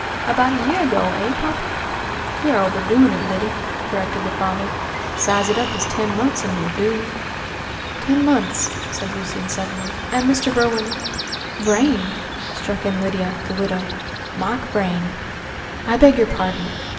"About a year ago, eh, poppa?" "You are overdoing it, Lyddy," corrected the father. "Size it up as ten months, and you'll do." "Ten months," said Lucian suddenly, "and Mr. Berwin " "Vrain!" struck in Lydia, the widow, "Mark Vrain." "I beg your pardon!